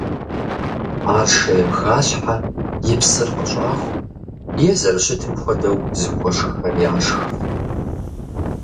Ар шейм халъхьэ, и псыр къыщӏаху, е зэрыщытым хуэдэу зыхуэшххэм яшх.